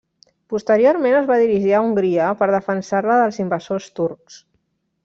Posteriorment es va dirigir a Hongria per defensar-la dels invasors turcs.